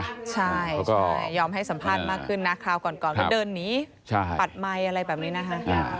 คือเราก็ยอมให้สัมภาษณ์มากขึ้นเขาก็เดินหนีปัดไมค์อะไรแบบนี้นะครับ